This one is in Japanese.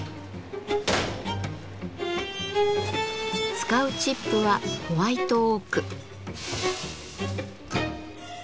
使うチップはホワイトオーク。